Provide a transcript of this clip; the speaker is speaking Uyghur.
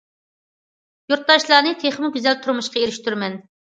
يۇرتداشلارنى تېخىمۇ گۈزەل تۇرمۇشقا ئېرىشتۈرىمەن.